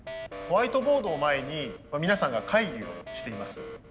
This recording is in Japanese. ホワイトボードを前に皆さんが会議をしています。